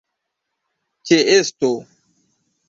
ĉeesto